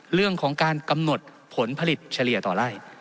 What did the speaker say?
เรื่องของการกำหนดผลผลิตเฉลี่ยต่อไล่